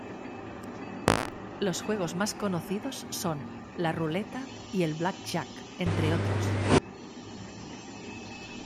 Los juegos más conocidos son la Ruleta y el Blackjack, entre otros.